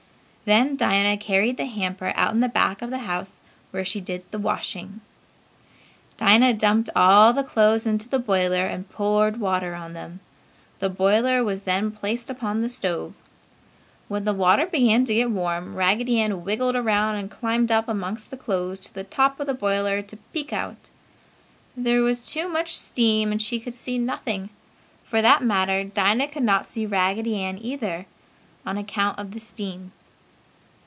Then Dinah carried the hamper out in back of the house where she did the washing. Dinah dumped all the clothes into the boiler and poured water on them. The boiler was then placed upon the stove. When the water began to get warm, Raggedy Ann wiggled around and climbed up amongst the clothes to the top of the boiler to peek out. There was too much steam and she could see nothing. For that matter, Dinah could not see Raggedy Ann, either, on account of the steam.